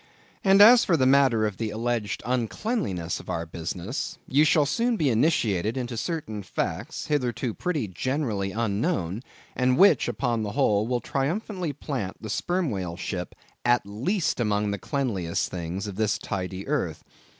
And as for the matter of the alleged uncleanliness of our business, ye shall soon be initiated into certain facts hitherto pretty generally unknown, and which, upon the whole, will triumphantly plant the sperm whale ship at least among the cleanliest things of this tidy earth.